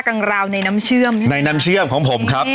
คุณขออนุญาตไหมนะคะ